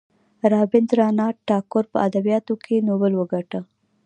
رابیندرانات ټاګور په ادبیاتو کې نوبل وګاټه.